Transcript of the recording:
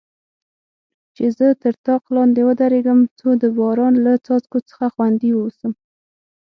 چې زه تر طاق لاندې ودریږم، څو د باران له څاڅکو څخه خوندي واوسم.